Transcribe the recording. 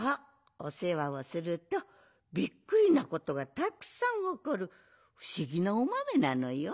おせわをするとびっくりなことがたくさんおこるふしぎなおまめなのよ。